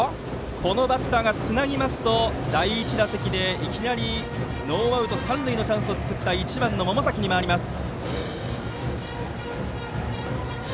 このバッターがつなぎますと第１打席でいきなりノーアウト三塁のチャンスを作った１番の百崎に回ります。